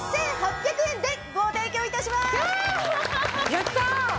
やった！